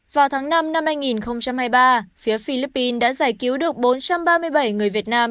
vào tháng năm năm hai nghìn hai mươi ba phía philippines đã giải cứu được bốn trăm ba mươi bảy người việt nam